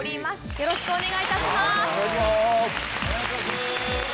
よろしくお願いします。